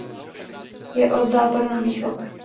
Je od západu na východ.